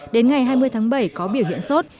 đến ngày hai mươi tháng bảy có biểu hiện sốt